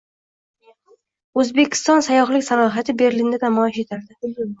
O‘zbekiston sayyohlik salohiyati Berlinda namoyish etildi